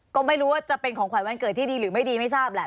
ก็ไม่รู้ว่าจะเป็นของขวัญวันเกิดที่ดีหรือไม่ดีไม่ทราบแหละ